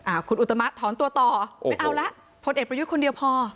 คุณอุตมะถอนตัวต่อไม่เอาละพลเอกประยุทธ์คนเดียวพอ